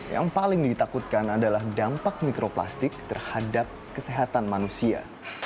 yang paling ditakutkan adalah dampak mikroplastik terhadap kesehatan manusia